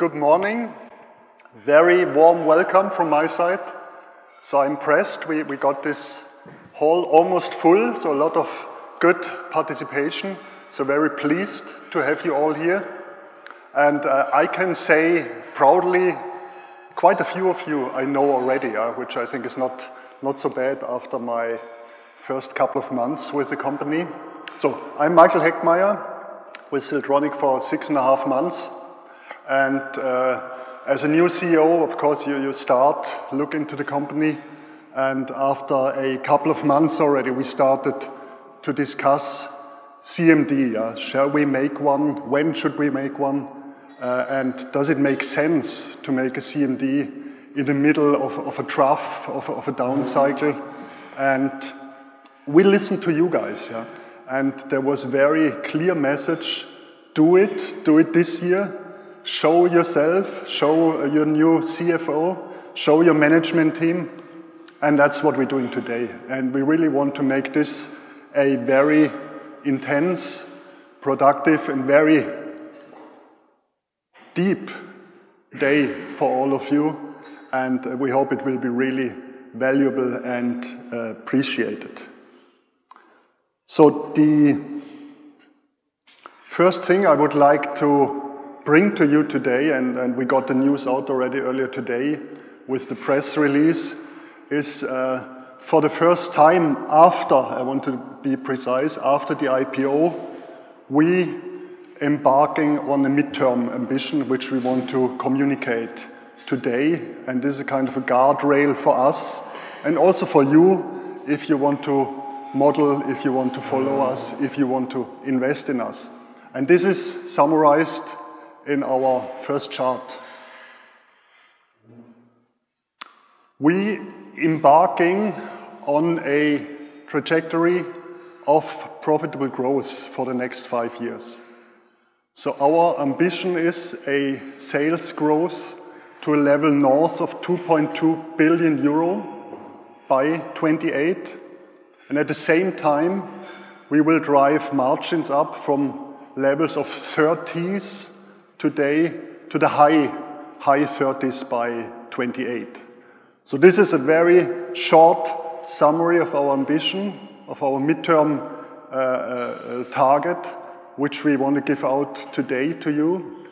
Good morning. Very warm welcome from my side. So I'm impressed we got this hall almost full, so a lot of good participation. So very pleased to have you all here. And I can say proudly, quite a few of you I know already, which I think is not so bad after my first couple of months with the company. So I'm Michael Heckmeier, with Siltronic for six and a half months. And as a new CEO, of course, you start looking to the company, and after a couple of months already, we started to discuss CMD. Shall we make one? When should we make one? And does it make sense to make a CMD in the middle of a trough of a down cycle? And we listened to you guys, yeah, and there was very clear message: Do it. Do it this year. Show yourself, show your new CFO, show your management team. That's what we're doing today. We really want to make this a very intense, productive, and very deep day for all of you, and we hope it will be really valuable and appreciated. So the first thing I would like to bring to you today, and, and we got the news out already earlier today with the press release, is, for the first time, after, I want to be precise, after the IPO, we embarking on a midterm ambition, which we want to communicate today. This is a kind of a guard rail for us and also for you if you want to model, if you want to follow us, if you want to invest in us. This is summarized in our first chart. We're embarking on a trajectory of profitable growth for the next five years. So our ambition is a sales growth to a level north of 2.2 billion euro by 2028, and at the same time, we will drive margins up from levels of 30s% today to the high 30s% by 2028. So this is a very short summary of our ambition, of our mid-term target, which we want to give out today to you.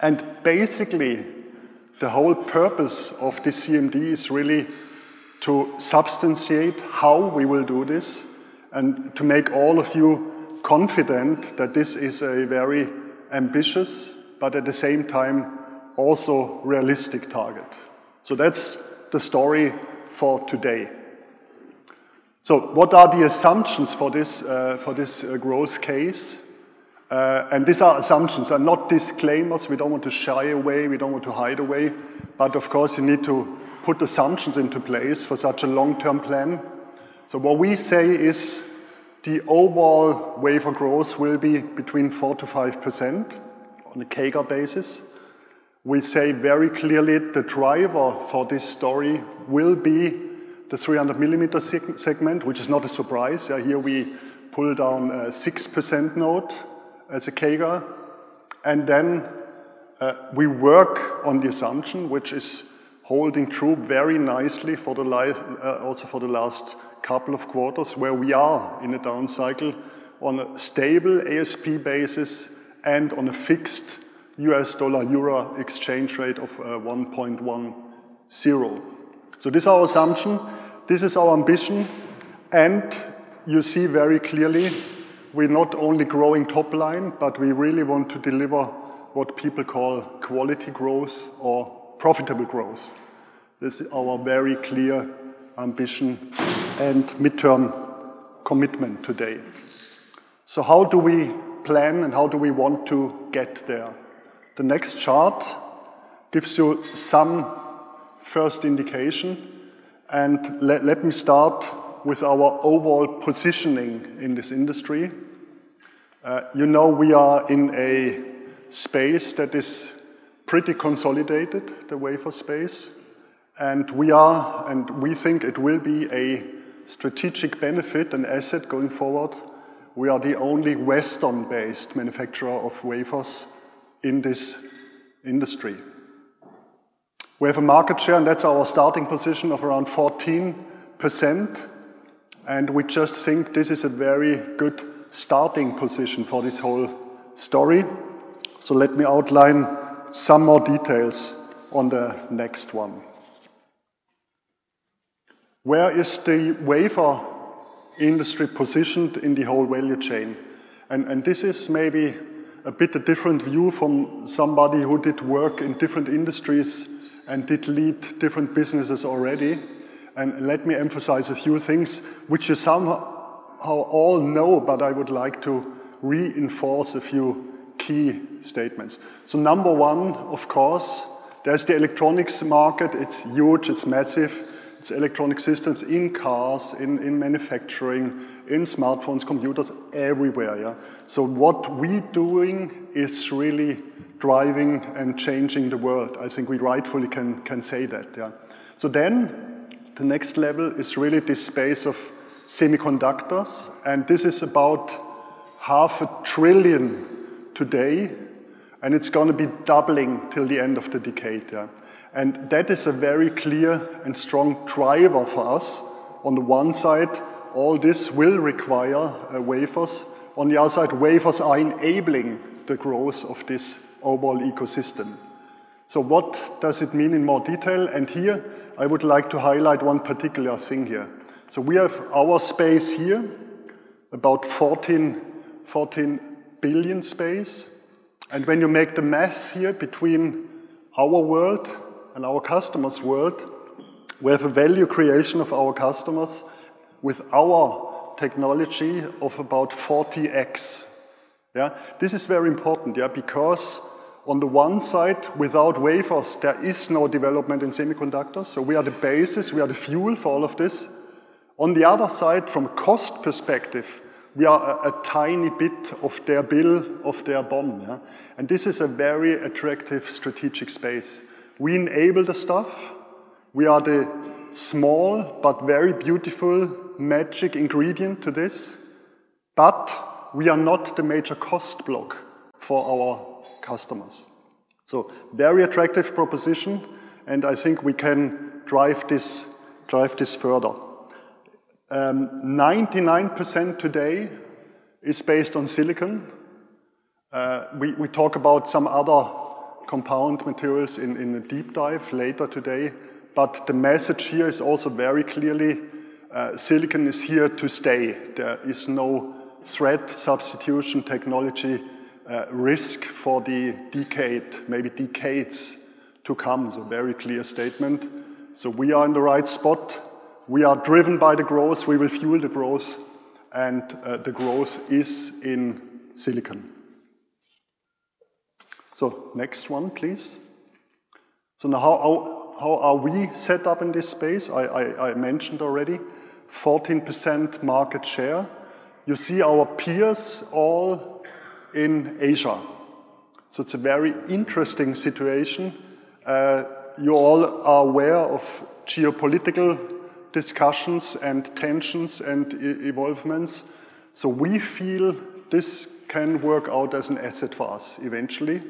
And basically, the whole purpose of this CMD is really to substantiate how we will do this and to make all of you confident that this is a very ambitious, but at the same time, also realistic target. So that's the story for today. So what are the assumptions for this for this growth case? And these are assumptions and not disclaimers. We don't want to shy away, we don't want to hide away, but of course, you need to put assumptions into place for such a long-term plan. So what we say is the overall wafer growth will be between 4%-5% on a CAGR basis. We say very clearly, the driver for this story will be the 300mm segment, which is not a surprise. Here we pull down a 6% CAGR, and then, we work on the assumption, which is holding true very nicely for the life, also for the last couple of quarters, where we are in a down cycle on a stable ASP basis and on a fixed U.S. dollar-euro exchange rate of 1.10. So this is our assumption, this is our ambition, and you see very clearly, we're not only growing top line, but we really want to deliver what people call quality growth or profitable growth. This is our very clear ambition and midterm commitment today. So how do we plan, and how do we want to get there? The next chart gives you some first indication, and let me start with our overall positioning in this industry. You know, we are in a space that is pretty consolidated, the wafer space, and we think it will be a strategic benefit and asset going forward. We are the only Western-based manufacturer of wafers in this industry. We have a market share, and that's our starting position of around 14%, and we just think this is a very good starting position for this whole story. So let me outline some more details on the next one. Where is the wafer industry positioned in the whole value chain? And this is maybe a bit a different view from somebody who did work in different industries and did lead different businesses already. And let me emphasize a few things, which some all know, but I would like to reinforce a few key statements. So number one, of course, there's the electronics market. It's huge, it's massive. It's electronic systems in cars, in manufacturing, in smartphones, computers, everywhere, yeah. So what we doing is really driving and changing the world. I think we rightfully can say that, yeah. So then, the next level is really this space of semiconductors, and this is about $500 billion today, and it's gonna be doubling till the end of the decade, yeah? That is a very clear and strong driver for us. On the one side, all this will require wafers. On the other side, wafers are enabling the growth of this overall ecosystem. So what does it mean in more detail? Here, I would like to highlight one particular thing here. So we have our space here, about 14, 14 billion space, and when you make the math here between our world and our customers' world, we have a value creation of our customers with our technology of about 40x. Yeah? This is very important, yeah, because on the one side, without wafers, there is no development in semiconductors, so we are the basis, we are the fuel for all of this. On the other side, from a cost perspective, we are a tiny bit of their bill, of their BOM, yeah? This is a very attractive strategic space. We enable the stuff, we are the small but very beautiful magic ingredient to this, but we are not the major cost block for our customers. So very attractive proposition, and I think we can drive this, drive this further. 99% today is based on silicon. We talk about some other compound materials in a deep dive later today, but the message here is also very clearly, silicon is here to stay. There is no threat, substitution technology, risk for the decade, maybe decades to come. So very clear statement. So we are in the right spot. We are driven by the growth, we will fuel the growth, and the growth is in silicon. So next one, please. So now, how are we set up in this space? I mentioned already, 14% market share. You see our peers all in Asia. So it's a very interesting situation. You all are aware of geopolitical discussions and tensions and involvements, so we feel this can work out as an asset for us eventually.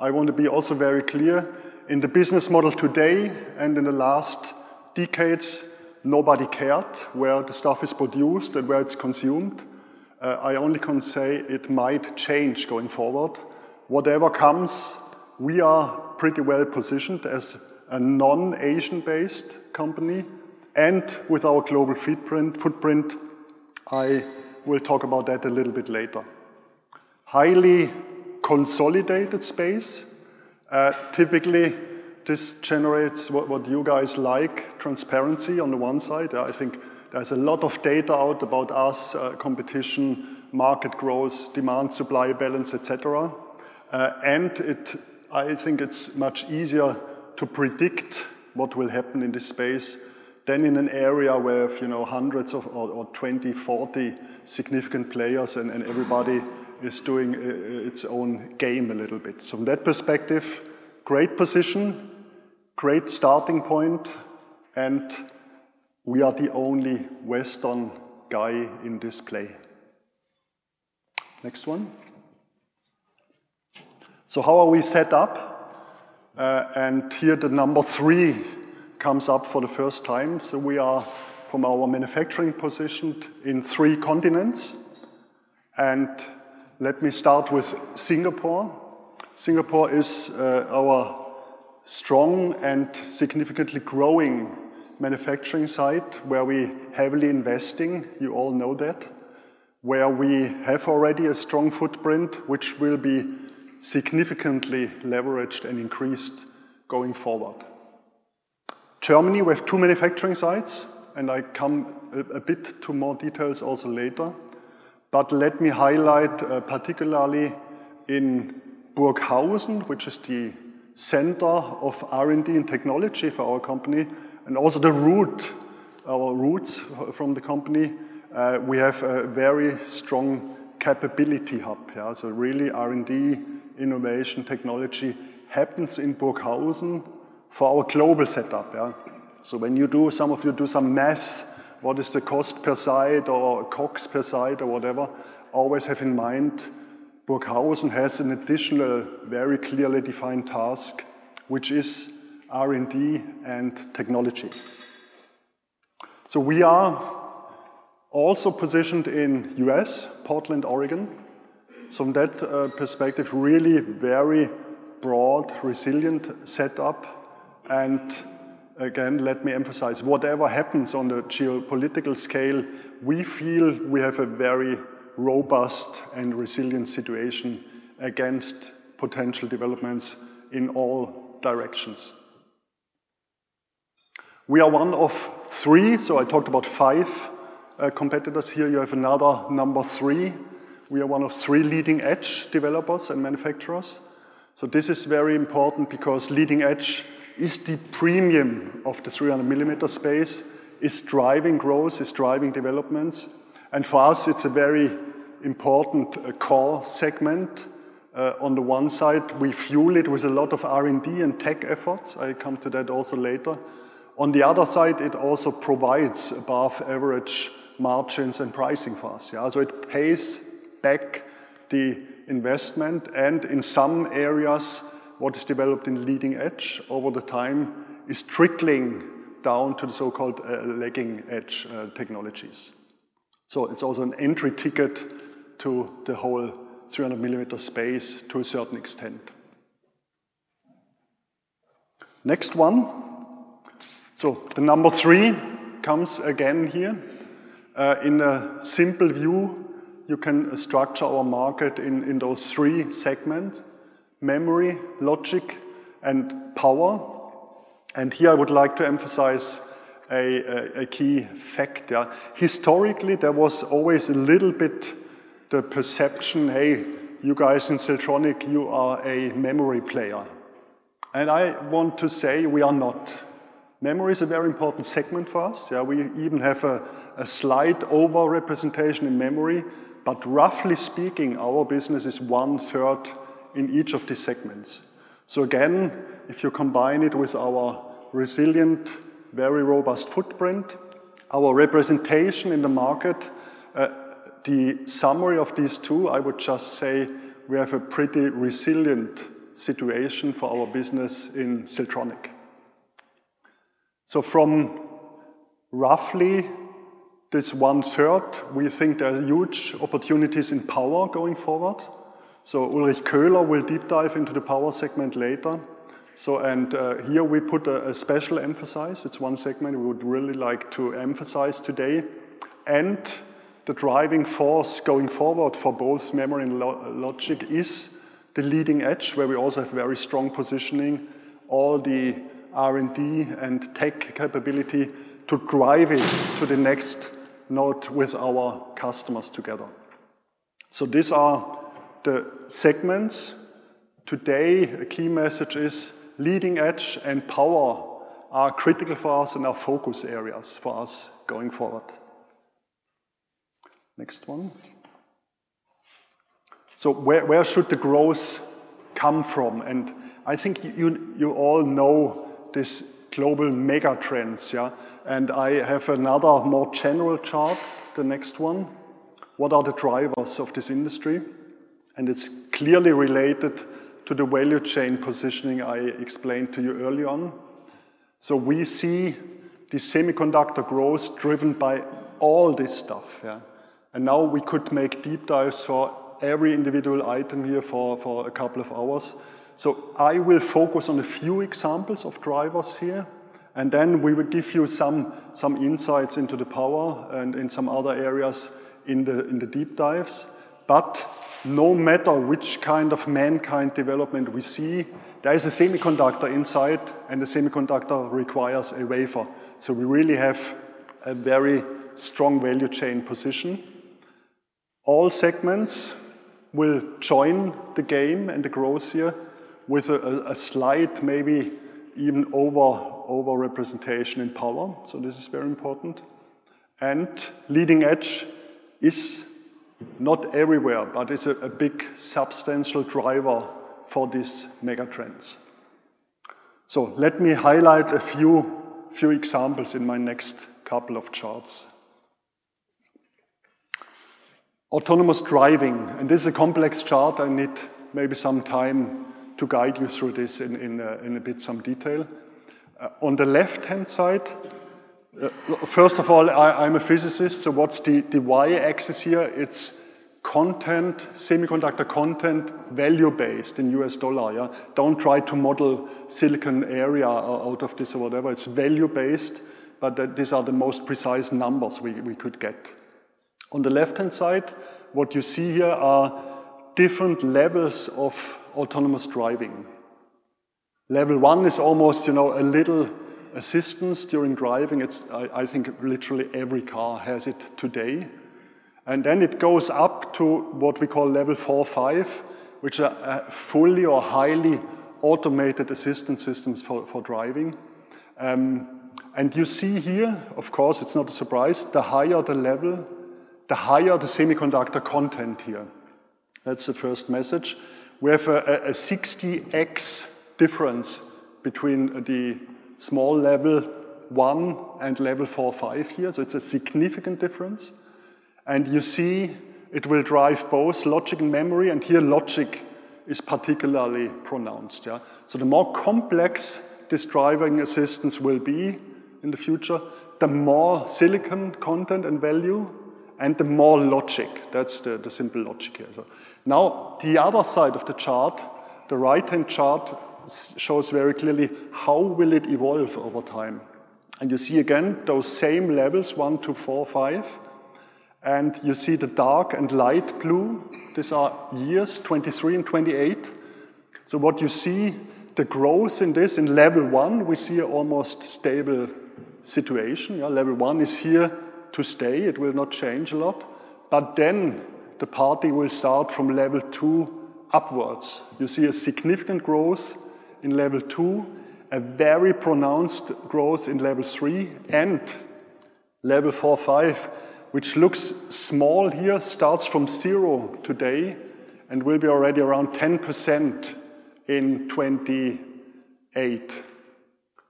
I want to be also very clear, in the business model today, and in the last decades, nobody cared where the stuff is produced and where it's consumed. I only can say it might change going forward. Whatever comes, we are pretty well-positioned as a non-Asian-based company, and with our global footprint, I will talk about that a little bit later. Highly consolidated space. Typically, this generates what you guys like, transparency on the one side. I think there's a lot of data out about us, competition, market growth, demand, supply, balance, et cetera. And it... I think it's much easier to predict what will happen in this space than in an area where, you know, hundreds of, or 20, 40 significant players and everybody is doing its own game a little bit. So from that perspective, great position, great starting point, and we are the only Western guy in this play. Next one. So how are we set up? And here, the number three comes up for the first time. So we are, from our manufacturing position, in three continents. And let me start with Singapore. Singapore is our strong and significantly growing manufacturing site, where we heavily investing, you all know that. Where we have already a strong footprint, which will be significantly leveraged and increased going forward. Germany, we have two manufacturing sites, and I come a bit to more details also later. But let me highlight, particularly in Burghausen, which is the center of R&D and technology for our company, and also the root, our roots from the company, we have a very strong capability hub, yeah? So really, R&D, innovation, technology happens in Burghausen for our global setup, yeah? So when you do, some of you do some math, what is the cost per site or COGS per site or whatever, always have in mind, Burghausen has an additional, very clearly defined task, which is R&D and technology. So we are also positioned in U.S., Portland, Oregon. So from that, perspective, really very broad, resilient setup. And again, let me emphasize, whatever happens on the geopolitical scale, we feel we have a very robust and resilient situation against potential developments in all directions. We are one of three, so I talked about five, competitors here. You have another number three. We are one of three leading-edge developers and manufacturers. So this is very important because leading edge is the premium of the 300-millimeter space, is driving growth, is driving developments, and for us, it's a very important core segment. On the one side, we fuel it with a lot of R&D and tech efforts. I come to that also later. On the other side, it also provides above average margins and pricing for us, yeah? So it pays back the investment, and in some areas, what is developed in leading edge over the time is trickling down to the so-called, lagging edge, technologies. So it's also an entry ticket to the whole 300 millimeter space to a certain extent. Next one. So the number three comes again here. In a simple view, you can structure our market in those three segments: memory, logic, and power. And here I would like to emphasize a key fact, yeah. Historically, there was always a little bit the perception, "Hey, you guys in Siltronic, you are a memory player." And I want to say we are not. Memory is a very important segment for us. Yeah, we even have a slight overrepresentation in memory, but roughly speaking, our business is one third in each of these segments. So again, if you combine it with our resilient, very robust footprint, our representation in the market, the summary of these two, I would just say we have a pretty resilient situation for our business in Siltronic. So from roughly this one third, we think there are huge opportunities in power going forward. So Oliver Köfer will deep dive into the power segment later. So here we put a special emphasis. It's one segment we would really like to emphasize today. And the driving force going forward for both memory and logic is the leading edge, where we also have very strong positioning, all the R&D and tech capability to drive it to the next node with our customers together. So these are the segments. Today, a key message is leading edge and power are critical for us and our focus areas for us going forward. Next one. So where should the growth come from? And I think you all know these global mega trends, yeah? And I have another more general chart, the next one. What are the drivers of this industry? It's clearly related to the value chain positioning I explained to you early on. So we see the semiconductor growth driven by all this stuff, yeah. Now we could make deep dives for every individual item here for a couple of hours. So I will focus on a few examples of drivers here, and then we will give you some insights into the power and in some other areas in the deep dives. But no matter which kind of mankind development we see, there is a semiconductor inside, and the semiconductor requires a wafer. So we really have a very strong value chain position. All segments will join the game and the growth here with a slight, maybe even overrepresentation in power. So this is very important. And leading edge is not everywhere, but it's a big substantial driver for these megatrends. So let me highlight a few examples in my next couple of charts. Autonomous driving, and this is a complex chart. I need maybe some time to guide you through this in a bit some detail. On the left-hand side. First of all, I'm a physicist, so what's the y-axis here? It's content, semiconductor content, value-based in U.S. dollars, yeah. Don't try to model silicon area out of this or whatever. It's value-based, but these are the most precise numbers we could get. On the left-hand side, what you see here are different levels of autonomous driving. Level one is almost, you know, a little assistance during driving. It's, I think literally every car has it today. And then it goes up to what we call level four, five, which are fully or highly automated assistance systems for driving. And you see here, of course, it's not a surprise, the higher the level, the higher the semiconductor content here. That's the first message. We have a 60x difference between the small level one and level four, five here, so it's a significant difference. And you see it will drive both logic and memory, and here logic is particularly pronounced, yeah. So the more complex this driving assistance will be in the future, the more silicon content and value, and the more logic. That's the simple logic here. So now, the other side of the chart, the right-hand chart shows very clearly how will it evolve over time. You see again, those same levels, one to four, five, and you see the dark and light blue. These are years, 2023 and 2028. So what you see, the growth in this, in level one, we see an almost stable situation. Yeah, level one is here to stay. It will not change a lot, but then the party will start from level two upwards. You see a significant growth in level two, a very pronounced growth in level three, and Level four, five, which looks small here, starts from zero today and will be already around 10% in 2028.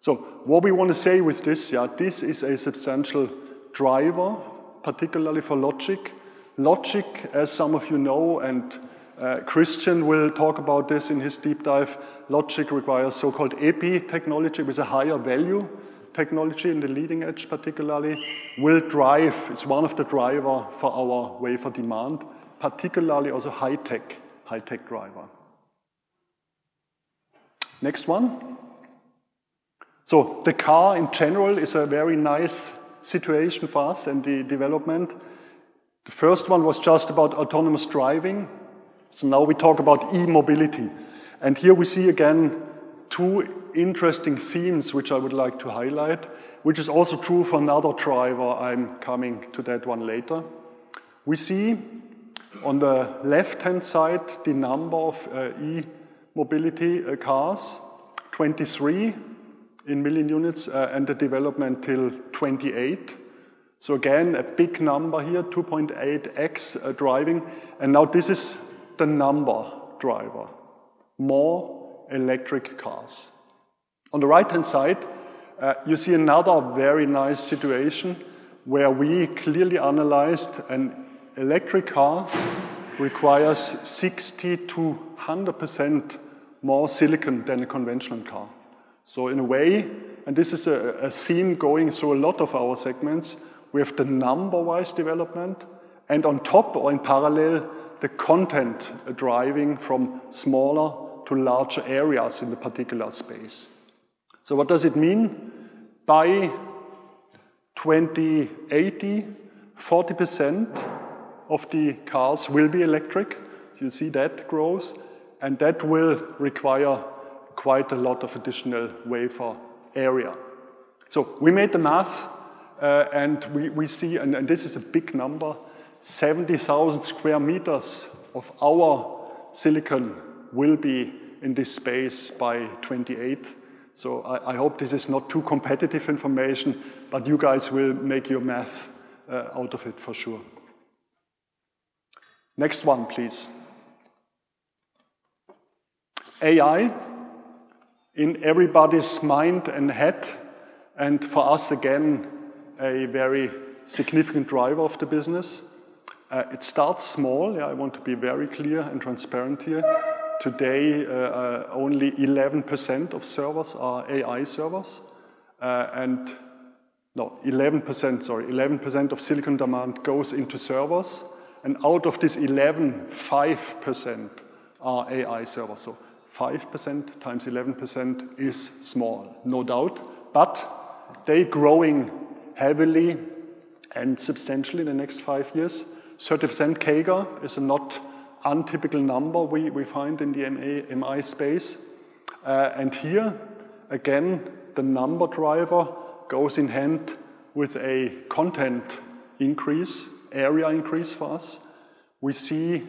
So what we want to say with this, yeah, this is a substantial driver, particularly for logic. Logic, as some of you know, and Christian will talk about this in his deep dive, logic requires so-called epi technology with a higher value technology in the leading edge, particularly, will drive. It's one of the driver for our wafer demand, particularly as a high-tech, high-tech driver. Next one. So the car in general is a very nice situation for us and the development. The first one was just about autonomous driving, so now we talk about e-mobility. And here we see again, two interesting themes, which I would like to highlight, which is also true for another driver. I'm coming to that one later. We see on the left-hand side, the number of e-mobility cars, 23 million units, and the development till 2028. So again, a big number here, 2.8x driving. Now this is the number driver, more electric cars. On the right-hand side, you see another very nice situation where we clearly analyzed an electric car requires 60%-100% more silicon than a conventional car. So in a way, and this is a, a theme going through a lot of our segments, we have the number-wise development, and on top or in parallel, the content driving from smaller to larger areas in the particular space. So what does it mean? By 2028, 40% of the cars will be electric. You see that growth, and that will require quite a lot of additional wafer area. So we made the math, and we see, and this is a big number, 70,000 square meters of our silicon will be in this space by 2028. So I hope this is not too competitive information, but you guys will make your math out of it for sure. Next one, please. AI, in everybody's mind and head, and for us, again, a very significant driver of the business. It starts small. I want to be very clear and transparent here. Today, only 11% of servers are AI servers. And... No, 11%, sorry. 11% of silicon demand goes into servers, and out of this 11, 5% are AI servers. So 5% times 11% is small, no doubt, but they growing heavily and substantially in the next 5 years. 30% CAGR is a not untypical number we find in the semi space. And here, again, the number driver goes in hand with a content increase, area increase for us. We see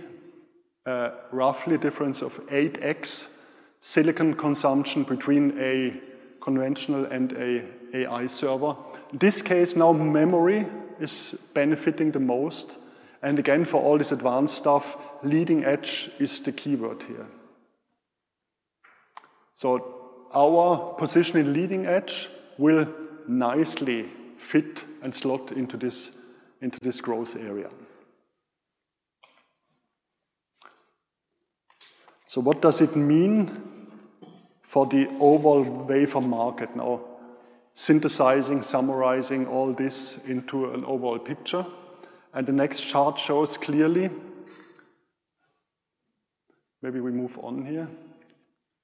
roughly a difference of 8x silicon consumption between a conventional and a AI server. In this case, now memory is benefiting the most. And again, for all this advanced stuff, leading edge is the keyword here. So our position in leading edge will nicely fit and slot into this, into this growth area. So what does it mean for the overall wafer market? Now, synthesizing, summarizing all this into an overall picture, and the next chart shows clearly. Maybe we move on here.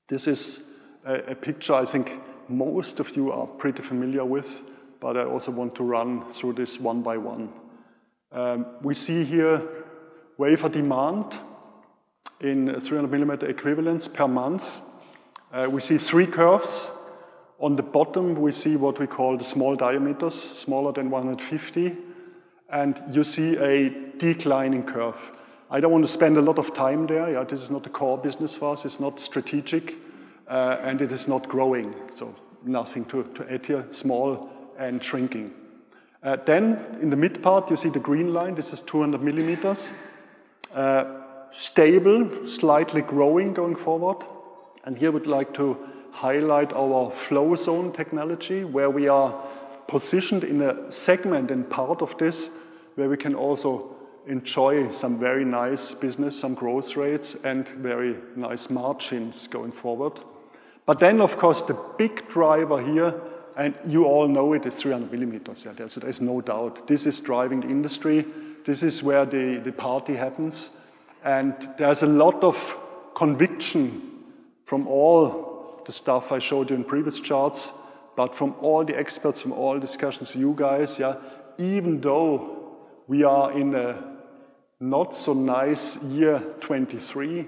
This is a picture I think most of you are pretty familiar with, but I also want to run through this one by one. We see here wafer demand in 300mm equivalents per month. We see three curves. On the bottom, we see what we call the small diameters, smaller than 150, and you see a declining curve. I don't want to spend a lot of time there. Yeah, this is not the core business for us. It's not strategic, and it is not growing, so nothing to add here. Small and shrinking. Then in the mid part, you see the green line. This is 200 millimeters. Stable, slightly growing, going forward. And here, I would like to highlight our float zone technology, where we are positioned in a segment and part of this, where we can also enjoy some very nice business, some growth rates, and very nice margins going forward. But then, of course, the big driver here, and you all know it, is 300 millimeters. Yeah, there's no doubt. This is driving the industry. This is where the party happens, and there's a lot of conviction from all the stuff I showed you in previous charts, but from all the experts, from all discussions with you guys, yeah, even though we are in a not so nice year, 2023,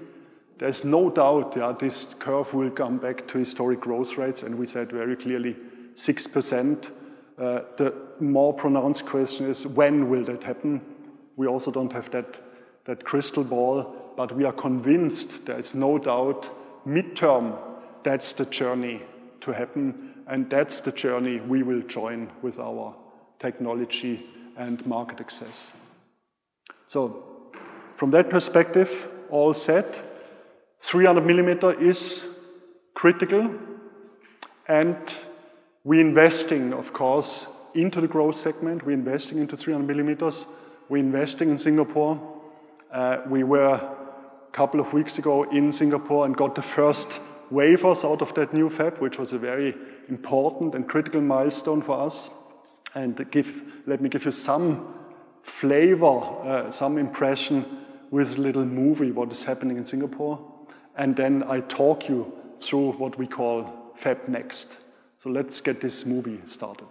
there's no doubt that this curve will come back to historic growth rates, and we said very clearly, 6%. The more pronounced question is, when will that happen? We also don't have that crystal ball, but we are convinced there is no doubt midterm, that's the journey to happen, and that's the journey we will join with our technology and market access. So from that perspective, all set, 300mm is critical, and we investing, of course, into the growth segment. We investing into 300mm. We investing in Singapore. We were a couple of weeks ago in Singapore and got the first wafers out of that new fab, which was a very important and critical milestone for us. Let me give you some flavor, some impression with a little movie, what is happening in Singapore, and then I talk you through what we call FabNext. Let's get this movie started.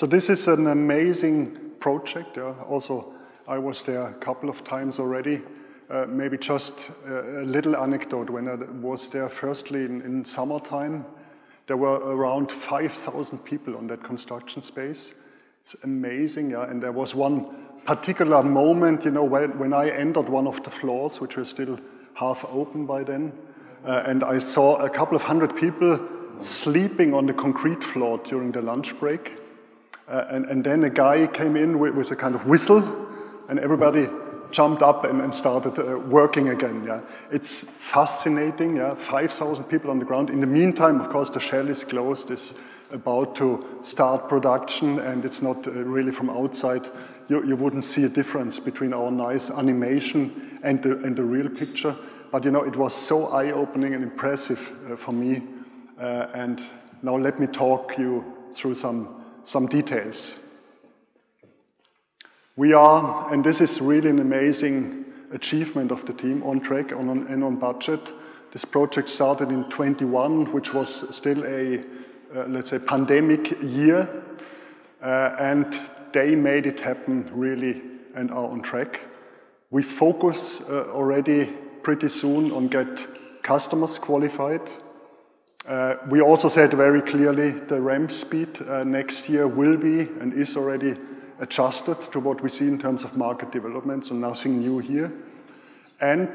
This is an amazing project. Also, I was there a couple of times already. Maybe just a little anecdote. When I was there firstly in summertime, there were around 5,000 people on that construction space. It's amazing, yeah, and there was one particular moment, you know, when I entered one of the floors, which was still half open by then, and I saw a couple of hundred people sleeping on the concrete floor during the lunch break. And then a guy came in with a kind of whistle, and everybody jumped up and started working again. Yeah. It's fascinating, yeah, 5,000 people on the ground. In the meantime, of course, the shell is closed, is about to start production, and it's not really from outside. You wouldn't see a difference between our nice animation and the real picture, but, you know, it was so eye-opening and impressive for me. And now let me talk you through some details. We are, and this is really an amazing achievement of the team, on track and on budget. This project started in 2021, which was still a, let's say, pandemic year. And they made it happen really and are on track. We focus already pretty soon on get customers qualified. We also said very clearly the ramp speed next year will be and is already adjusted to what we see in terms of market development, so nothing new here. And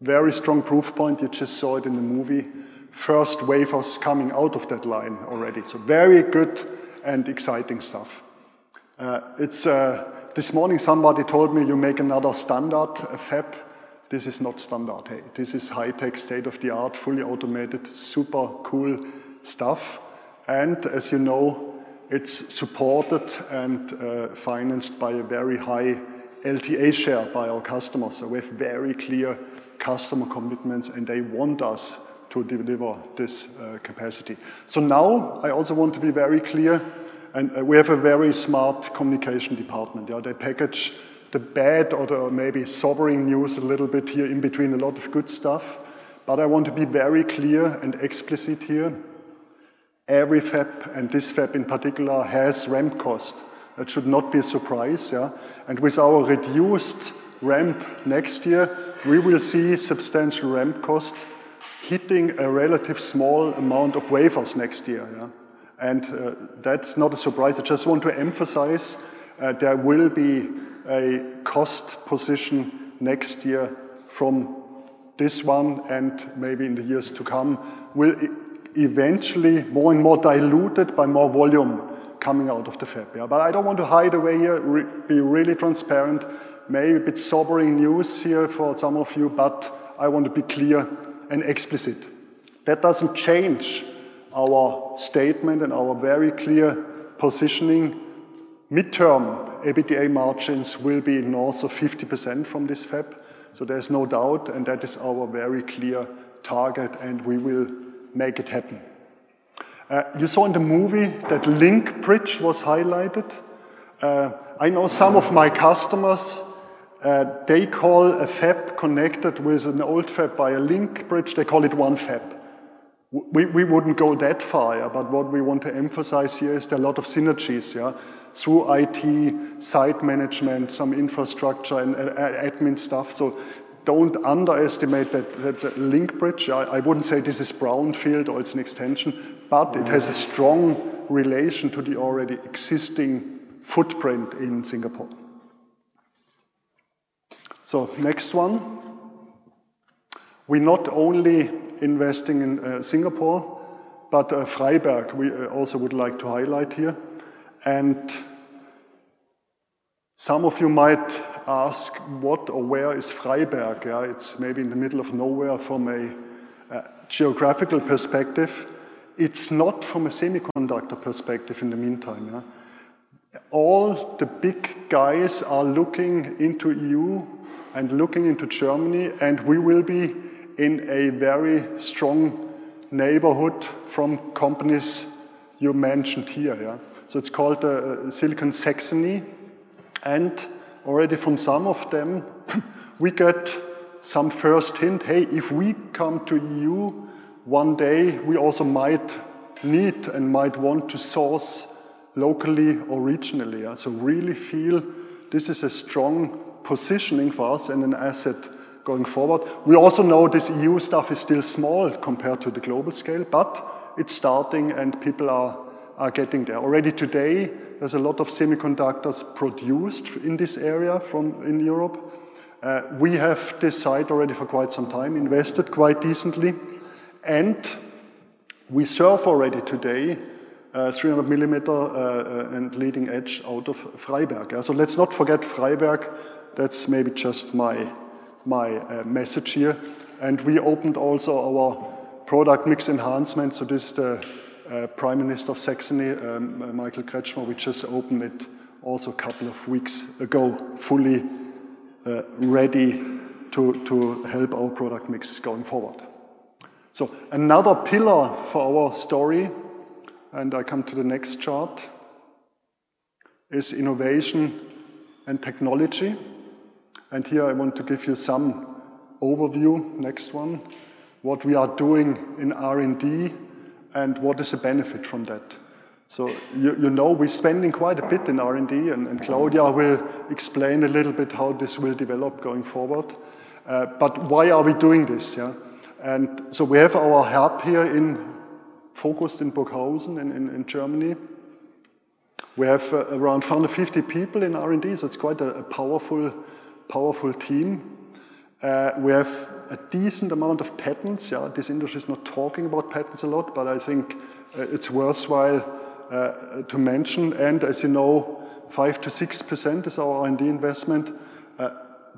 very strong proof point, you just saw it in the movie. First wafers coming out of that line already, so very good and exciting stuff. It's... This morning, somebody told me, "You make another standard, a fab." This is not standard. Hey, this is high-tech, state-of-the-art, fully automated, super cool stuff. As you know, it's supported and financed by a very high LTA share by our customers, so we have very clear customer commitments, and they want us to deliver this capacity. So now, I also want to be very clear, and we have a very smart communication department. Yeah, they package the bad or the maybe sobering news a little bit here in between a lot of good stuff, but I want to be very clear and explicit here. Every fab, and this fab in particular, has ramp cost. That should not be a surprise, yeah? And with our reduced ramp next year, we will see substantial ramp cost hitting a relative small amount of wafers next year, yeah. And that's not a surprise. I just want to emphasize, there will be a cost position next year from this one, and maybe in the years to come, will eventually more and more diluted by more volume coming out of the fab, yeah. But I don't want to hide away here. Really be really transparent. Maybe a bit sobering news here for some of you, but I want to be clear and explicit. That doesn't change our statement and our very clear positioning. Midterm, EBITDA margins will be north of 50% from this fab, so there's no doubt, and that is our very clear target, and we will make it happen. You saw in the movie that link bridge was highlighted. I know some of my customers, they call a fab connected with an old fab by a link bridge, they call it one fab. We, we wouldn't go that far, but what we want to emphasize here is there are a lot of synergies, yeah? Through IT, site management, some infrastructure, and admin stuff. So don't underestimate that link bridge. I wouldn't say this is brownfield or it's an extension, but it has a strong relation to the already existing footprint in Singapore. So next one. We're not only investing in Singapore, but Freiberg, we also would like to highlight here. And some of you might ask, what or where is Freiberg? Yeah, it's maybe in the middle of nowhere from a geographical perspective. It's not from a semiconductor perspective in the meantime, yeah. All the big guys are looking into EU and looking into Germany, and we will be in a very strong neighborhood from companies you mentioned here, yeah. So it's called the Silicon Saxony, and already from some of them, we get some first hint, "Hey, if we come to EU one day, we also might need and might want to source locally or regionally." So really feel this is a strong positioning for us and an asset... going forward. We also know this EU stuff is still small compared to the global scale, but it's starting and people are getting there. Already today, there's a lot of semiconductors produced in this area from, in Europe. We have this site already for quite some time, invested quite decently, and we serve already today 300 millimeter and leading edge out of Freiberg. So let's not forget Freiberg. That's maybe just my message here. And we opened also our Product Mix Enhancement. So this is the Prime Minister of Saxony, Michael Kretschmer. We just opened it also a couple of weeks ago, fully ready to help our product mix going forward. So another pillar for our story, and I come to the next chart, is innovation and technology. And here I want to give you some overview. Next one, what we are doing in R&D and what is the benefit from that? So you know, we're spending quite a bit in R&D, and Claudia will explain a little bit how this will develop going forward. But why are we doing this, yeah? And so we have our hub here in, focused in Burghausen, in Germany. We have around 150 people in R&D, so it's quite a powerful team. We have a decent amount of patents. Yeah, this industry is not talking about patents a lot, but I think it's worthwhile to mention. And as you know, 5%-6% is our R&D investment.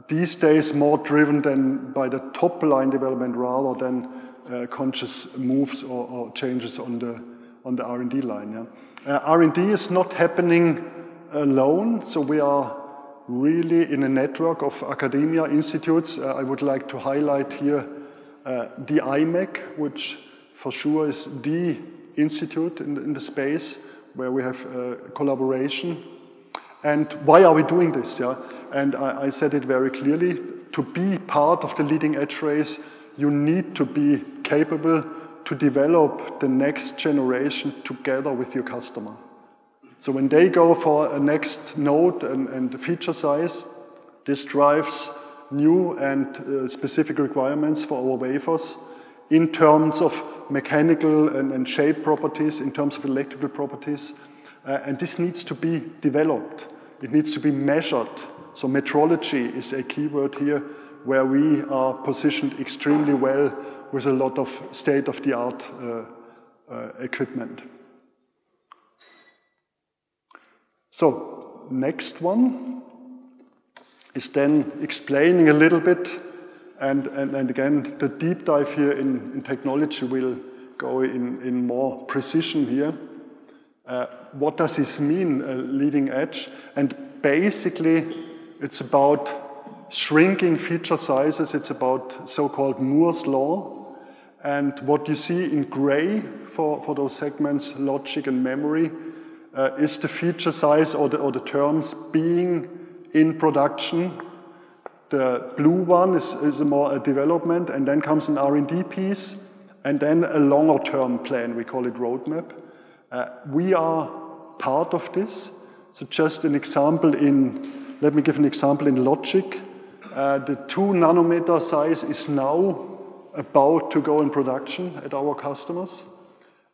These days, more driven than by the top line development rather than conscious moves or changes on the R&D line, yeah. R&D is not happening alone, so we are really in a network of academia institutes. I would like to highlight here the Imec, which for sure is the institute in the space where we have a collaboration. And why are we doing this, yeah? And I said it very clearly: to be part of the leading edge race, you need to be capable to develop the next generation together with your customer. So when they go for a next node and feature size, this drives new and specific requirements for our wafers in terms of mechanical and shape properties, in terms of electrical properties. And this needs to be developed. It needs to be measured. So metrology is a key word here, where we are positioned extremely well with a lot of state-of-the-art equipment. So next one is then explaining a little bit, and again, the deep dive here in technology will go in more precision here. What does this mean, leading edge? And basically, it's about shrinking feature sizes. It's about so-called Moore's law. And what you see in gray for those segments, logic and memory, is the feature size or the terms being in production. The blue one is more a development, and then comes an R&D piece, and then a longer-term plan. We call it roadmap. We are part of this. So just an example in logic. Let me give an example in logic. The 2 nanometer size is now about to go in production at our customers,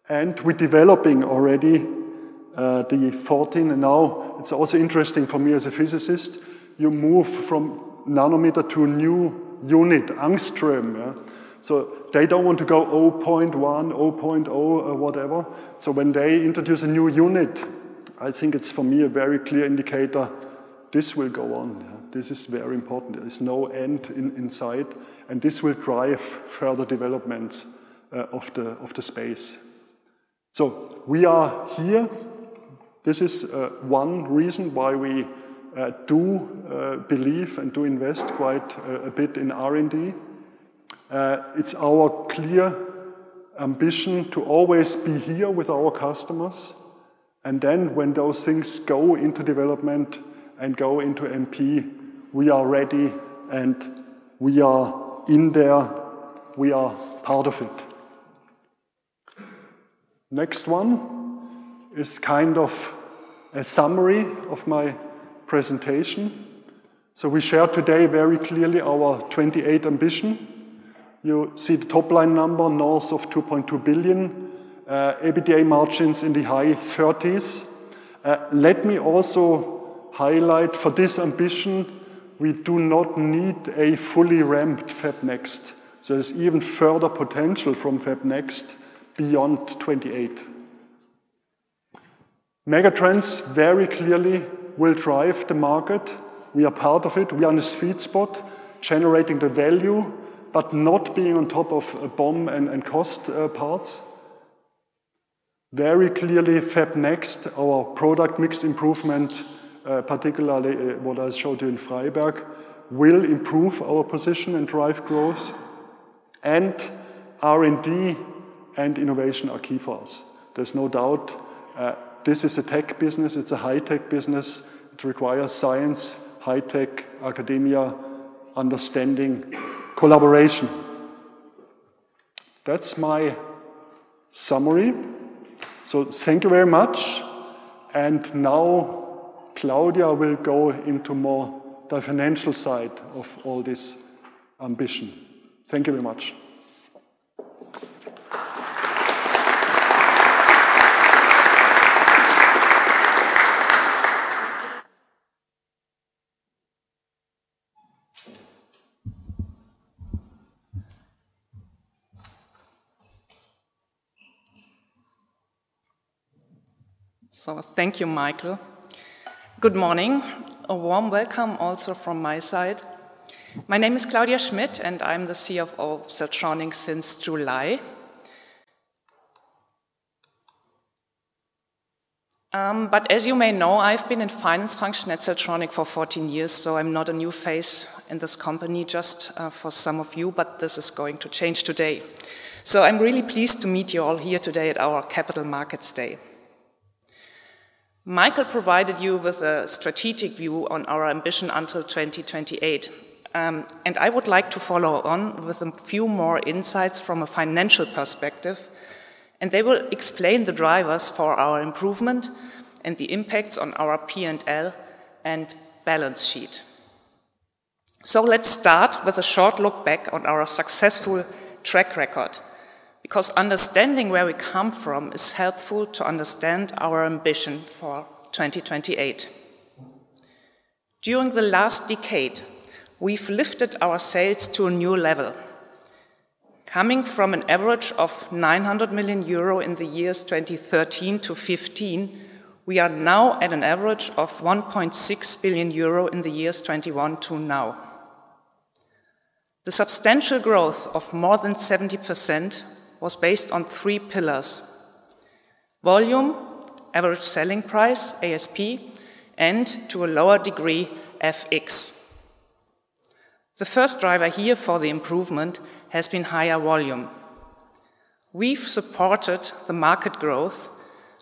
and we're developing already the 14. And now, it's also interesting for me as a physicist, you move from nanometer to a new unit, angstrom, yeah? So they don't want to go 0.1, 0.0, or whatever. So when they introduce a new unit, I think it's, for me, a very clear indicator this will go on. This is very important. There's no end in sight, and this will drive further development of the space. So we are here. This is one reason why we do believe and do invest quite a bit in R&D. It's our clear ambition to always be here with our customers, and then when those things go into development and go into MP, we are ready, and we are in there, we are part of it. Next one is kind of a summary of my presentation. So we shared today very clearly our 2028 ambition. You see the top line number, north of 2.2 billion, EBITDA margins in the high 30s%. Let me also highlight, for this ambition, we do not need a fully ramped FabNext, so there's even further potential from FabNext beyond 2028. Megatrends very clearly will drive the market. We are part of it. We are on a sweet spot, generating the value, but not being on top of BOM and cost, parts. Very clearly, FabNext, our product mix improvement, particularly what I showed you in Freiberg, will improve our position and drive growth, and R&D and innovation are key for us. There's no doubt, this is a tech business. It's a high-tech business. It requires science, high-tech, academia, understanding, collaboration.... That's my summary. So thank you very much. And now, Claudia will go into more the financial side of all this ambition. Thank you very much. So thank you, Michael. Good morning. A warm welcome also from my side. My name is Claudia Schmitt, and I'm the CFO of Siltronic since July. But as you may know, I've been in finance function at Siltronic for 14 years, so I'm not a new face in this company, just for some of you, but this is going to change today. So I'm really pleased to meet you all here today at our Capital Markets Day. Michael provided you with a strategic view on our ambition until 2028. And I would like to follow on with a few more insights from a financial perspective, and they will explain the drivers for our improvement and the impacts on our P&L and balance sheet. So let's start with a short look back on our successful track record, because understanding where we come from is helpful to understand our ambition for 2028. During the last decade, we've lifted our sales to a new level. Coming from an average of 900 million euro in the years 2013-2015, we are now at an average of 1.6 billion euro in the years 2021 to now. The substantial growth of more than 70% was based on three pillars: volume, average selling price, ASP, and to a lower degree, FX. The first driver here for the improvement has been higher volume. We've supported the market growth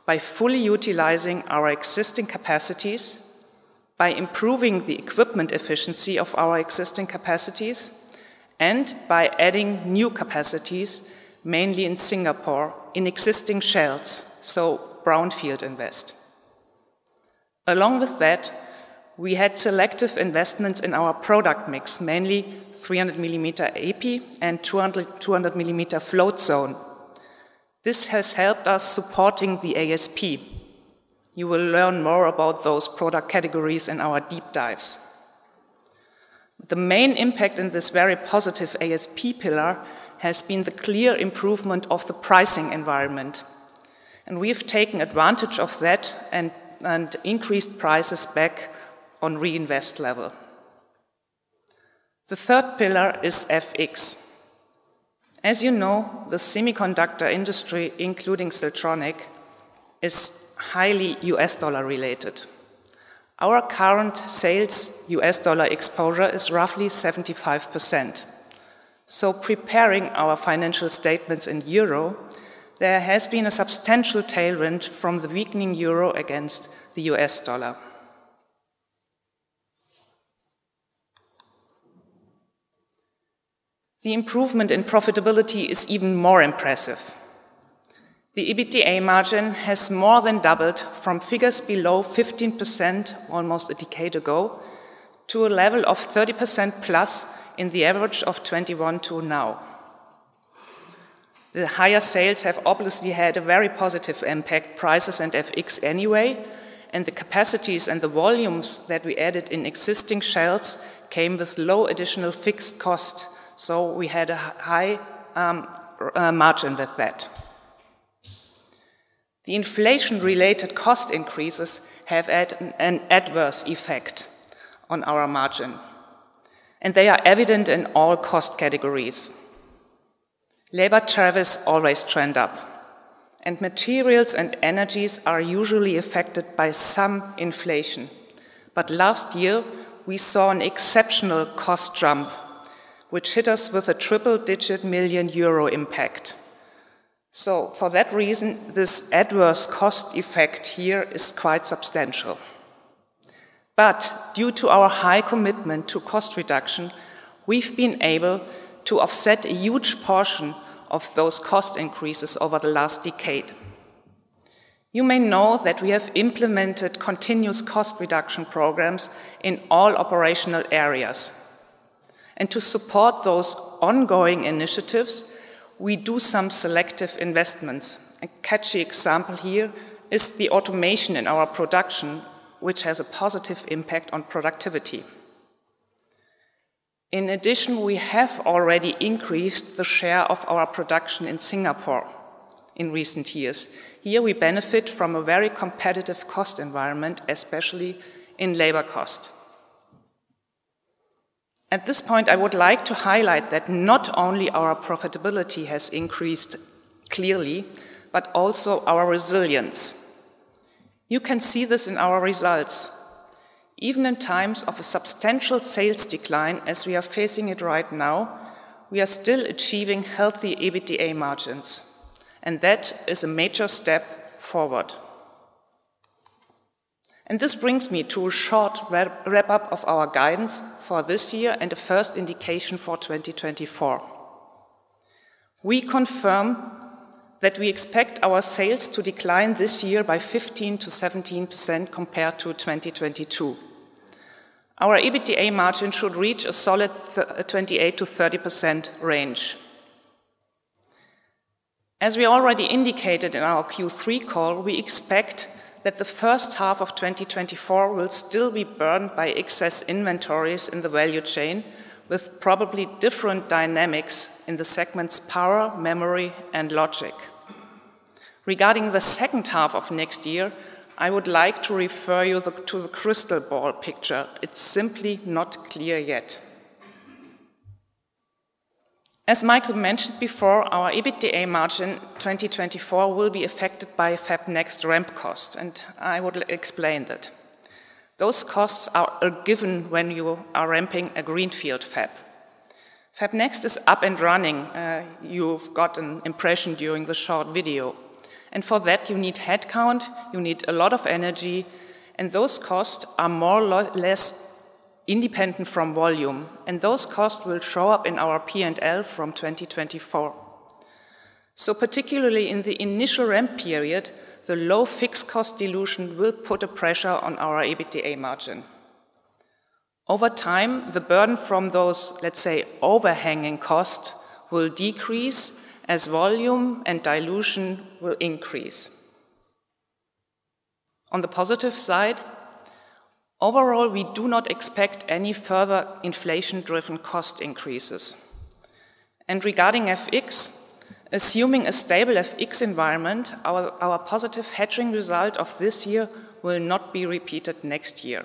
by fully utilizing our existing capacities, by improving the equipment efficiency of our existing capacities, and by adding new capacities, mainly in Singapore, in existing shells, so brownfield invest. Along with that, we had selective investments in our product mix, mainly 300mm epi and 200mm float zone. This has helped us supporting the ASP. You will learn more about those product categories in our deep dives. The main impact in this very positive ASP pillar has been the clear improvement of the pricing environment, and we've taken advantage of that and increased prices back on reinvest level. The third pillar is FX. As you know, the semiconductor industry, including Siltronic, is highly US dollar related. Our current sales US dollar exposure is roughly 75%. So preparing our financial statements in euro, there has been a substantial tailwind from the weakening euro against the US dollar. The improvement in profitability is even more impressive. The EBITDA margin has more than doubled from figures below 15%, almost a decade ago, to a level of 30%+ in the average of 2021 to now. The higher sales have obviously had a very positive impact, prices and FX anyway, and the capacities and the volumes that we added in existing shells came with low additional fixed cost, so we had a high margin with that. The inflation-related cost increases have had an adverse effect on our margin, and they are evident in all cost categories. Labor charges always trend up, and materials and energies are usually affected by some inflation. But last year, we saw an exceptional cost jump, which hit us with a triple-digit million EUR impact. So for that reason, this adverse cost effect here is quite substantial. But due to our high commitment to cost reduction, we've been able to offset a huge portion of those cost increases over the last decade. You may know that we have implemented continuous cost reduction programs in all operational areas, and to support those ongoing initiatives, we do some selective investments. A catchy example here is the automation in our production, which has a positive impact on productivity. In addition, we have already increased the share of our production in Singapore in recent years. Here, we benefit from a very competitive cost environment, especially in labor cost. At this point, I would like to highlight that not only our profitability has increased clearly, but also our resilience. You can see this in our results. Even in times of a substantial sales decline, as we are facing it right now, we are still achieving healthy EBITDA margins, and that is a major step forward... And this brings me to a short wrap-up of our guidance for this year and a first indication for 2024. We confirm that we expect our sales to decline this year by 15%-17% compared to 2022. Our EBITDA margin should reach a solid 28%-30% range. As we already indicated in our Q3 call, we expect that the first half of 2024 will still be burned by excess inventories in the value chain, with probably different dynamics in the segments power, memory, and logic. Regarding the second half of next year, I would like to refer you to the crystal ball picture. It's simply not clear yet. As Michael mentioned before, our EBITDA margin 2024 will be affected by FabNext ramp cost, and I will explain that. Those costs are a given when you are ramping a greenfield fab. FabNext is up and running. You've got an impression during the short video. And for that, you need headcount, you need a lot of energy, and those costs are more or less independent from volume, and those costs will show up in our P&L from 2024. So particularly in the initial ramp period, the low fixed cost dilution will put a pressure on our EBITDA margin. Over time, the burden from those, let's say, overhanging costs will decrease as volume and dilution will increase. On the positive side, overall, we do not expect any further inflation-driven cost increases. Regarding FX, assuming a stable FX environment, our positive hedging result of this year will not be repeated next year.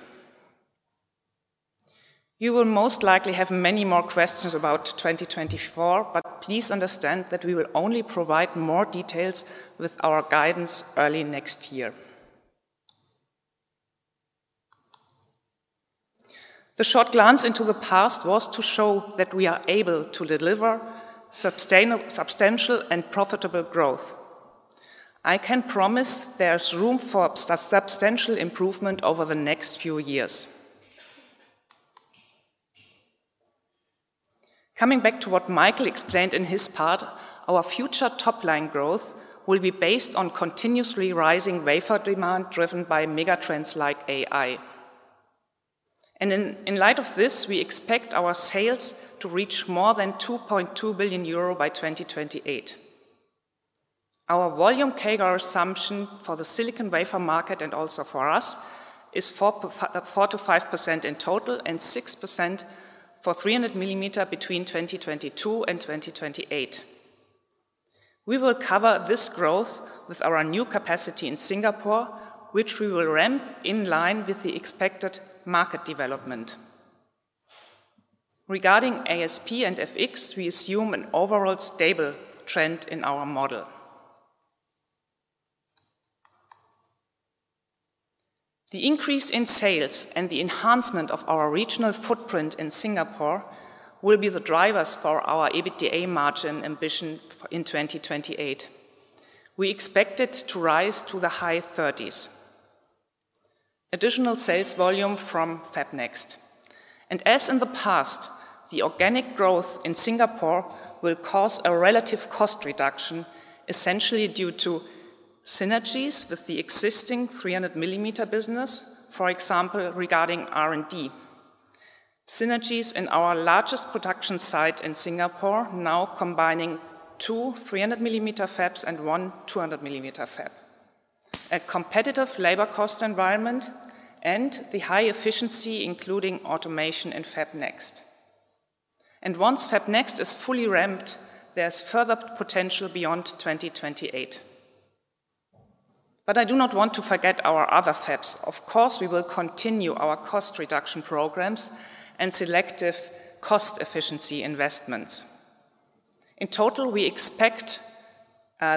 You will most likely have many more questions about 2024, but please understand that we will only provide more details with our guidance early next year. The short glance into the past was to show that we are able to deliver substantial and profitable growth. I can promise there's room for substantial improvement over the next few years. Coming back to what Michael explained in his part, our future top-line growth will be based on continuously rising wafer demand, driven by megatrends like AI. In light of this, we expect our sales to reach more than 2.2 billion euro by 2028. Our volume CAGR assumption for the silicon wafer market, and also for us, is 4%-5% in total, and 6% for 300mm between 2022 and 2028. We will cover this growth with our new capacity in Singapore, which we will ramp in line with the expected market development. Regarding ASP and FX, we assume an overall stable trend in our model. The increase in sales and the enhancement of our regional footprint in Singapore will be the drivers for our EBITDA margin ambition in 2028. We expect it to rise to the high 30s. Additional sales volume from FabNext. And as in the past, the organic growth in Singapore will cause a relative cost reduction, essentially due to synergies with the existing 300mm business, for example, regarding R&D. Synergies in our largest production site in Singapore, now combining two 300 millimeter fabs and one 200 millimeter fab. A competitive labor cost environment and the high efficiency, including automation and FabNext. And once FabNext is fully ramped, there's further potential beyond 2028. But I do not want to forget our other fabs. Of course, we will continue our cost reduction programs and selective cost efficiency investments. In total, we expect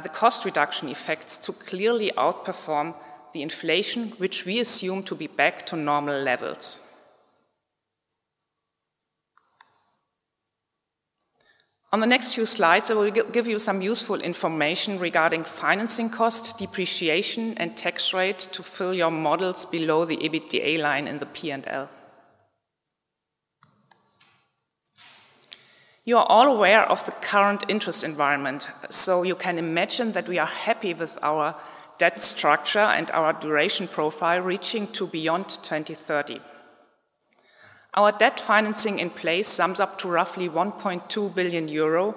the cost reduction effects to clearly outperform the inflation, which we assume to be back to normal levels. On the next few slides, I will give you some useful information regarding financing cost, depreciation, and tax rate to fill your models below the EBITDA line in the P&L. You are all aware of the current interest environment, so you can imagine that we are happy with our debt structure and our duration profile reaching to beyond 2030. Our debt financing in place sums up to roughly 1.2 billion euro,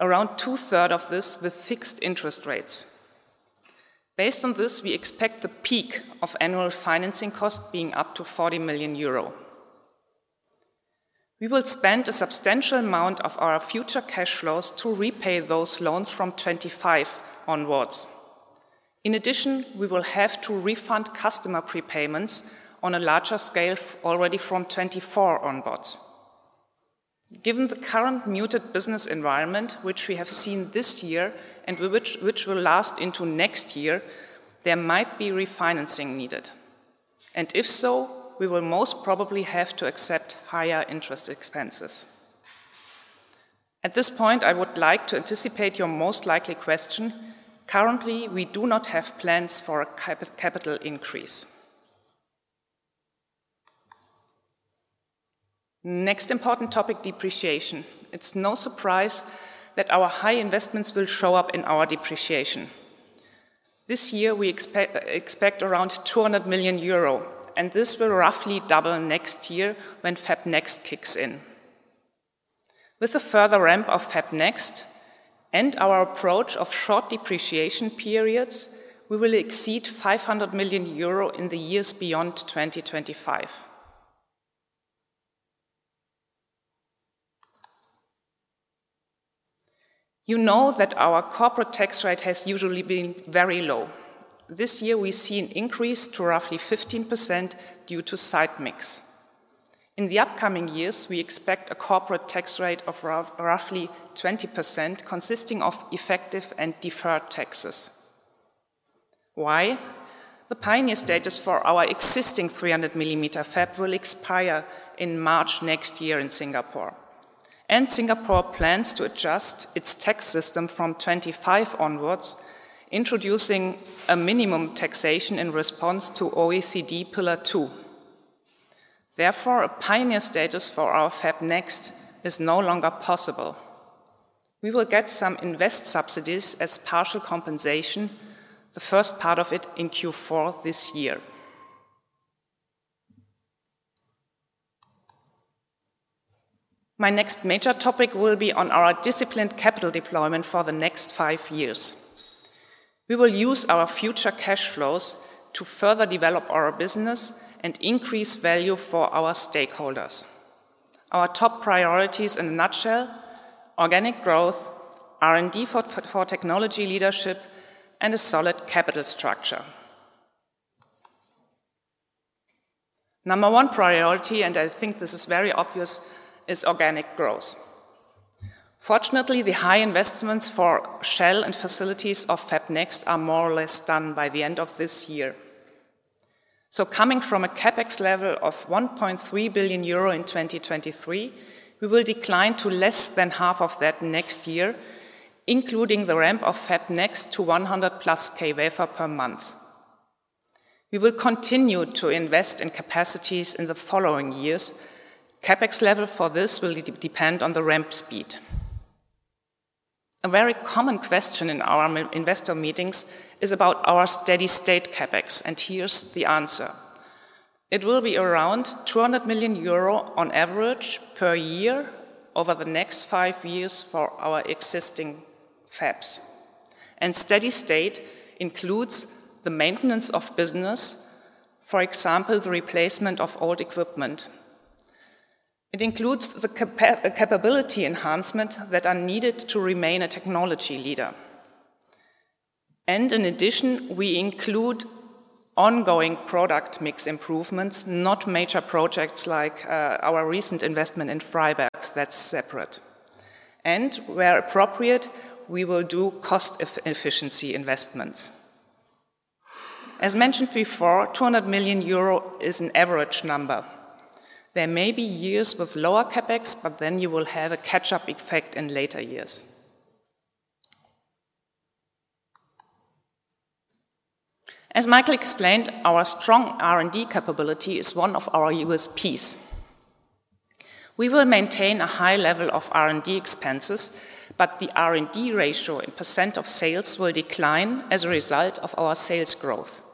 around two-thirds of this with fixed interest rates. Based on this, we expect the peak of annual financing cost being up to 40 million euro. We will spend a substantial amount of our future cash flows to repay those loans from 2025 onwards. In addition, we will have to refund customer prepayments on a larger scale already from 2024 onwards. Given the current muted business environment, which we have seen this year and which will last into next year, there might be refinancing needed, and if so, we will most probably have to accept higher interest expenses. At this point, I would like to anticipate your most likely question. Currently, we do not have plans for a capital increase. Next important topic, depreciation. It's no surprise that our high investments will show up in our depreciation. This year, we expect around 200 million euro, and this will roughly double next year when FabNext kicks in. With a further ramp of FabNext and our approach of short depreciation periods, we will exceed 500 million euro in the years beyond 2025. You know that our corporate tax rate has usually been very low. This year, we see an increase to roughly 15% due to site mix. In the upcoming years, we expect a corporate tax rate of roughly 20%, consisting of effective and deferred taxes. Why? The Pioneer Status for our existing 300mm fab will expire in March next year in Singapore, and Singapore plans to adjust its tax system from 25 onwards, introducing a minimum taxation in response to OECD Pillar Two. Therefore, a Pioneer Status for our FabNext is no longer possible. We will get some investment subsidies as partial compensation, the first part of it in Q4 this year. My next major topic will be on our disciplined capital deployment for the next five years. We will use our future cash flows to further develop our business and increase value for our stakeholders. Our top priorities in a nutshell: organic growth, R&D for technology leadership, and a solid capital structure. Number one priority, and I think this is very obvious, is organic growth. Fortunately, the high investments for shell and facilities of FabNext are more or less done by the end of this year. So coming from a CapEx level of 1.3 billion euro in 2023, we will decline to less than half of that next year, including the ramp of FabNext to 100+ k wafer per month. We will continue to invest in capacities in the following years. CapEx level for this will depend on the ramp speed. A very common question in our investor meetings is about our steady state CapEx, and here's the answer: It will be around 200 million euro on average per year over the next five years for our existing fabs. And steady state includes the maintenance of business, for example, the replacement of old equipment. It includes the capability enhancement that are needed to remain a technology leader. In addition, we include ongoing product mix improvements, not major projects like our recent investment in Freiberg. That's separate. Where appropriate, we will do cost efficiency investments. As mentioned before, 200 million euro is an average number. There may be years with lower CapEx, but then you will have a catch-up effect in later years. As Michael explained, our strong R&D capability is one of our USPs. We will maintain a high level of R&D expenses, but the R&D ratio in percent of sales will decline as a result of our sales growth.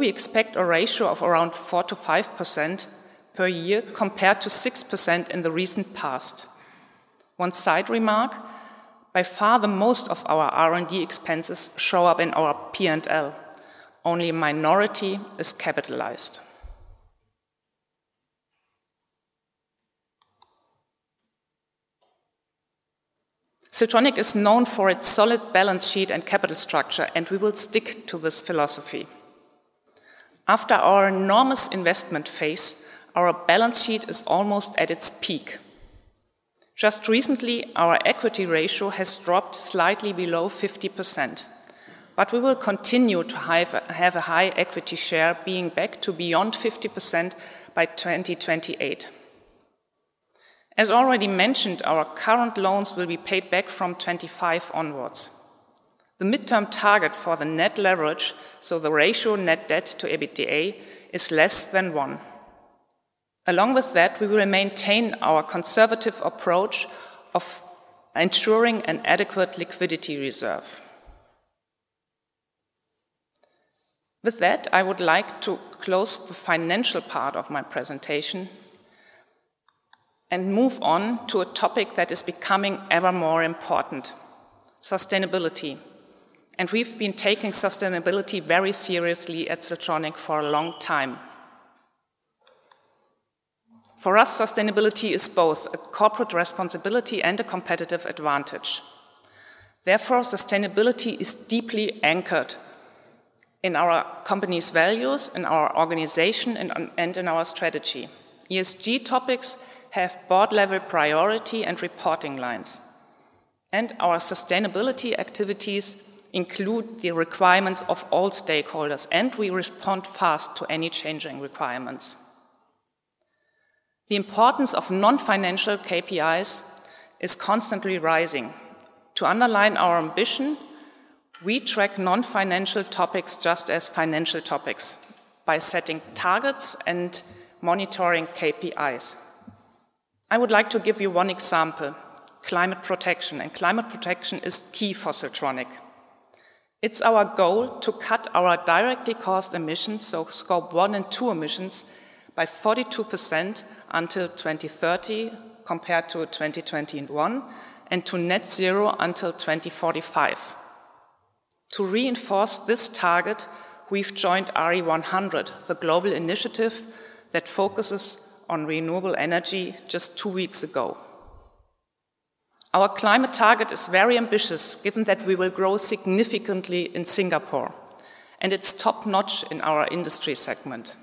We expect a ratio of around 4%-5% per year, compared to 6% in the recent past. One side remark, by far, the most of our R&D expenses show up in our P&L. Only a minority is capitalized. Siltronic is known for its solid balance sheet and capital structure, and we will stick to this philosophy. After our enormous investment phase, our balance sheet is almost at its peak. Just recently, our equity ratio has dropped slightly below 50%, but we will continue to have a high equity share, being back to beyond 50% by 2028. As already mentioned, our current loans will be paid back from 25 onwards. The midterm target for the net leverage, so the ratio net debt to EBITDA, is less than one. Along with that, we will maintain our conservative approach of ensuring an adequate liquidity reserve. With that, I would like to close the financial part of my presentation and move on to a topic that is becoming ever more important: sustainability. We've been taking sustainability very seriously at Siltronic for a long time. For us, sustainability is both a corporate responsibility and a competitive advantage. Therefore, sustainability is deeply anchored in our company's values, in our organization, and in our strategy. ESG topics have board-level priority and reporting lines. Our sustainability activities include the requirements of all stakeholders, and we respond fast to any changing requirements. The importance of non-financial KPIs is constantly rising. To underline our ambition, we track non-financial topics just as financial topics, by setting targets and monitoring KPIs. I would like to give you one example: climate protection. Climate protection is key for Siltronic. It's our goal to cut our directly caused emissions, so Scope 1 and 2 emissions, by 42% until 2030 compared to 2021, and to net zero until 2045. To reinforce this target, we've joined RE100, the global initiative that focuses on renewable energy, just two weeks ago. Our climate target is very ambitious, given that we will grow significantly in Singapore, and it's top-notch in our industry segment.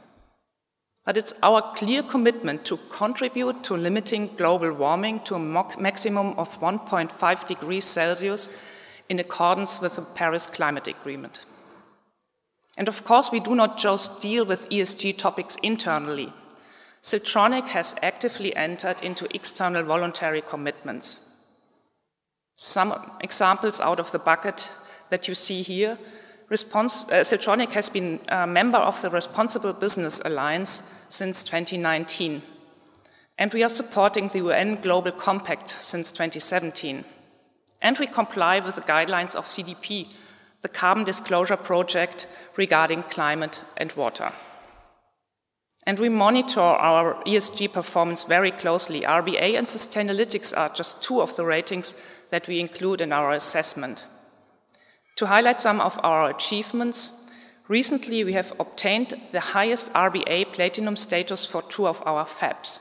But it's our clear commitment to contribute to limiting global warming to a max, maximum of 1.5 degrees Celsius in accordance with the Paris Climate Agreement. And of course, we do not just deal with ESG topics internally. Siltronic has actively entered into external voluntary commitments. Some examples out of the bucket that you see here, Siltronic has been a member of the Responsible Business Alliance since 2019, and we are supporting the UN Global Compact since 2017. And we comply with the guidelines of CDP, the Carbon Disclosure Project, regarding climate and water. And we monitor our ESG performance very closely. RBA and Sustainalytics are just two of the ratings that we include in our assessment. To highlight some of our achievements, recently, we have obtained the highest RBA Platinum status for two of our fabs.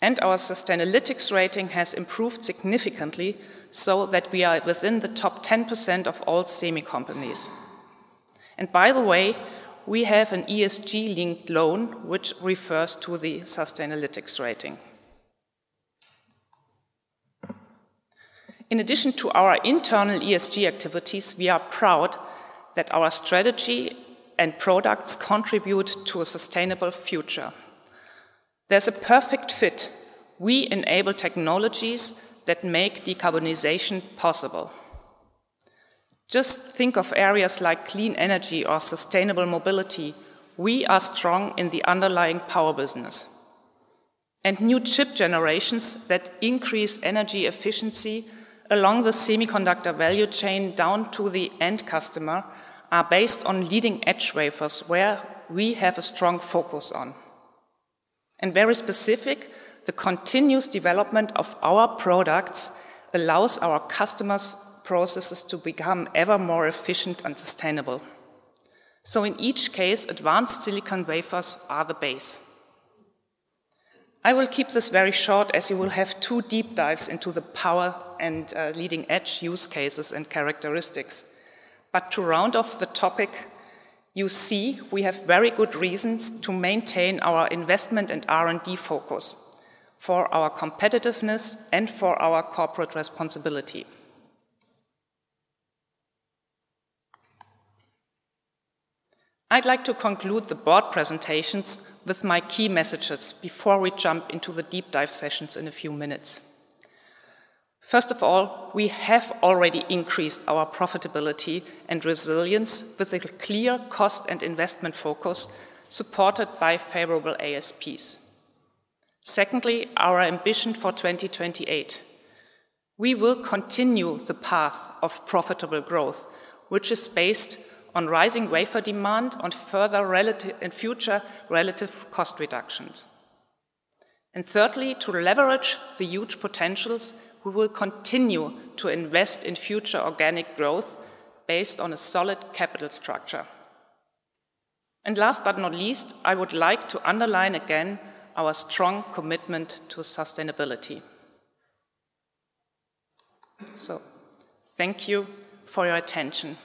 Our Sustainalytics rating has improved significantly so that we are within the top 10% of all semi companies. By the way, we have an ESG-linked loan, which refers to the Sustainalytics rating. In addition to our internal ESG activities, we are proud that our strategy and products contribute to a sustainable future. There's a perfect fit. We enable technologies that make decarbonization possible. Just think of areas like clean energy or sustainable mobility. We are strong in the underlying power business. New chip generations that increase energy efficiency along the semiconductor value chain down to the end customer are based on leading-edge wafers, where we have a strong focus on. And very specific, the continuous development of our products allows our customers' processes to become ever more efficient and sustainable. So in each case, advanced silicon wafers are the base. I will keep this very short, as you will have two deep dives into the power and leading-edge use cases and characteristics. But to round off the topic, you see we have very good reasons to maintain our investment and R&D focus for our competitiveness and for our corporate responsibility. I'd like to conclude the board presentations with my key messages before we jump into the deep dive sessions in a few minutes. First of all, we have already increased our profitability and resilience with a clear cost and investment focus, supported by favorable ASPs. Secondly, our ambition for 2028. We will continue the path of profitable growth, which is based on rising wafer demand, on further relative... And future relative cost reductions. And thirdly, to leverage the huge potentials, we will continue to invest in future organic growth based on a solid capital structure. And last but not least, I would like to underline again our strong commitment to sustainability. So thank you for your attention.